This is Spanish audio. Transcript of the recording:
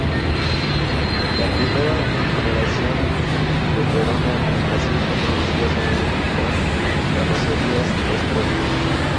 La primera generación del Verona en Brasil fue producida solamente con carrocería dos puertas.